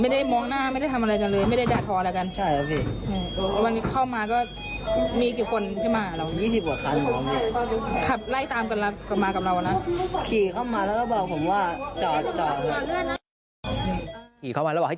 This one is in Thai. ไม่ได้มองหน้าไม่ได้ทำอะไรกันเลยไม่ได้ด่าทออะไรกันใช่ครับพี่